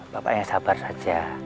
bapak hanya sabar saja